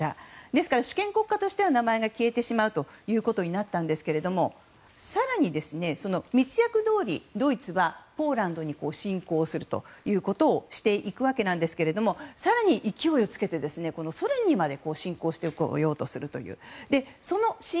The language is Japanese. ですから主権国家としては名前が消えてしまうことになったんですけれども更に密約どおり、ドイツはポーランドに侵攻していくんですが更に勢いをつけて、ソ連にまで侵攻してこようとする。